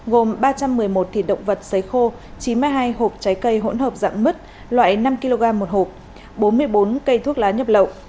gồm ba trăm một mươi một thịt động vật xấy khô chín mươi hai hộp trái cây hỗn hợp dạng mứt loại năm kg một hộp bốn mươi bốn cây thuốc lá nhập lậu